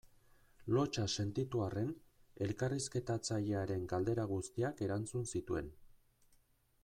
Lotsa sentitu arren elkarrizketatzailearen galdera guztiak erantzun zituen.